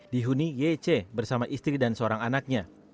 dihuni yece bersama istri dan seorang anaknya